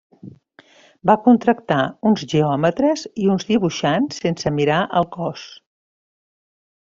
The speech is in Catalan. Va contractar uns geòmetres i uns dibuixants sense mirar al cost.